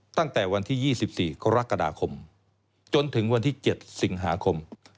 ตั้งแต่วันที่๒๔กรกฎาคมจนถึงวันที่๗สิงหาคม